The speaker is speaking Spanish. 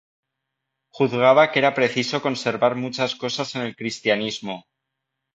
Juzgaba que era preciso conservar muchas cosas en el cristianismo.